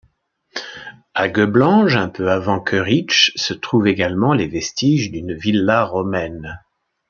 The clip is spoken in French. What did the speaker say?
À Goeblange, un peu avant Koerich, se trouvent également les vestiges d’une villa romaine.